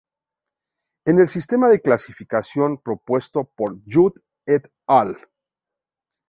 En el sistema de clasificación propuesto por Judd et al.